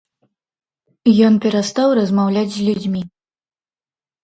Ён перастаў размаўляць з людзьмі.